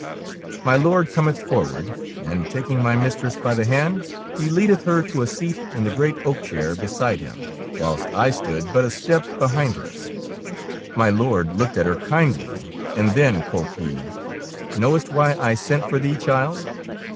My Lord cometh forward, and taking my mistress by the hand, he leadeth her to a seat in the great oak chair be side him, whilst I stood but a step be hind her. My Lord looked at her kindly, and then quoth he, —" Knowest why I sent for thee, child!